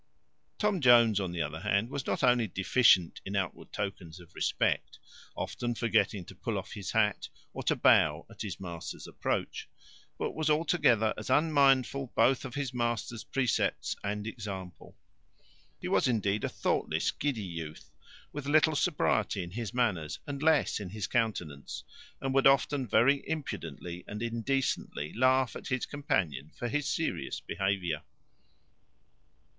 Tom Jones, on the other hand, was not only deficient in outward tokens of respect, often forgetting to pull off his hat, or to bow at his master's approach; but was altogether as unmindful both of his master's precepts and example. He was indeed a thoughtless, giddy youth, with little sobriety in his manners, and less in his countenance; and would often very impudently and indecently laugh at his companion for his serious behaviour.